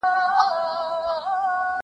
زه به کتابونه وړلي وي؟!